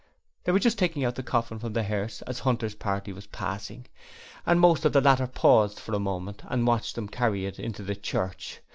They were just taking out the coffin from the hearse as Hunter's party was passing, and most of the latter paused for a moment and watched them carry it into the church.